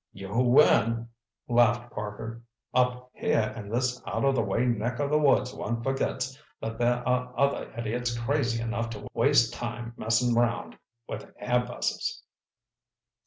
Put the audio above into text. "You win," laughed Parker. "Up here in this out of the way neck of the woods one forgets that there are other idiots crazy enough to waste time messing 'round with airbusses."